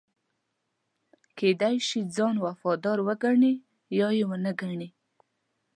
کېدای شي ځان وفادار وګڼي یا یې ونه ګڼي.